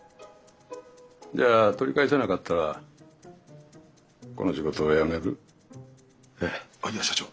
じゃあ取り返せなかったらこの仕事やめる？えっ？いや社長。